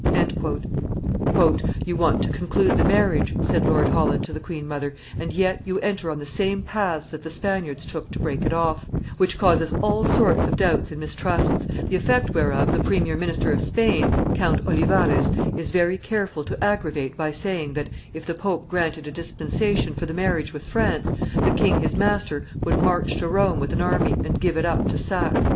"You want to conclude the marriage," said Lord Holland to the queen mother, "and yet you enter on the same paths that the Spaniards took to break it off; which causes all sorts of doubts and mistrusts, the effect whereof the premier minister of Spain, Count Olivarez, is very careful to aggravate by saying that, if the pope granted a dispensation for the marriage with France, the king his master would march to Rome with an army, and give it up to sack."